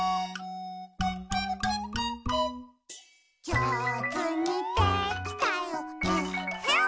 「じょうずにできたよえっへん」